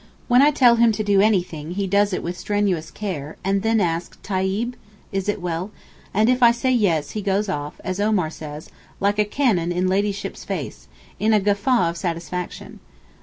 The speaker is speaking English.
When I tell him to do anything he does it with strenuous care, and then asks, tayib? (is it well) and if I say 'Yes' he goes off, as Omar says, 'like a cannon in Ladyship's face,' in a guffaw of satisfaction.